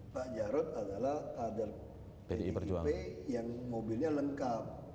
pak jarod adalah kader pdip yang mobilnya lengkap